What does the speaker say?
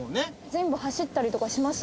全部走ったりとかします？